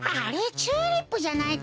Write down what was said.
チューリップじゃないか。